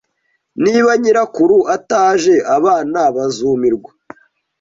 Niba nyirakuru ataje, abana bazumirwa